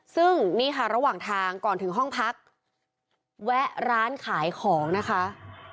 ซึ่งนี่ค่ะระหว่างทางก่อนถึงห้องพักแวะร้านขายของนะคะ